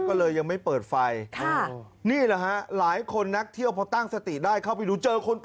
เกิดอะไรขึ้น